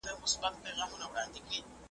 لا به در اوري د غضب غشي